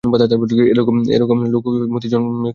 এরকম লোক মতি জন্মে কখনো দ্যাখে নাই।